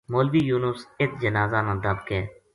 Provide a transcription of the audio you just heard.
مولوی یونس اِت جنازہ نا دَب کے